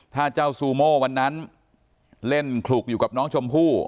ถ้าเจ้าซูโม่วันนั้นเล่นขลุกอยู่กับน้องชมพู่